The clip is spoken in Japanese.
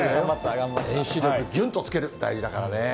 遠心力、ぎゅんとつける、大事だからね。